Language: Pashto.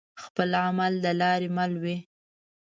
خپل عمل د لاري مل وي